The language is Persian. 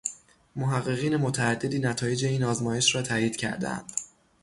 محققین متعددی نتایج این آزمایش را تایید کردهاند